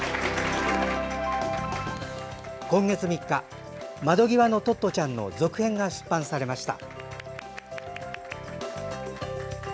今月３日、窓ぎわのトットちゃんの続編が出版されました。